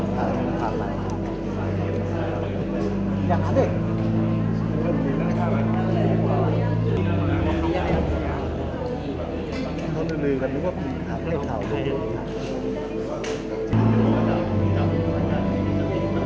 ได้แล้วครับ